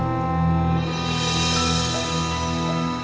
kayaknya ternyata aku juga disuruhetta deh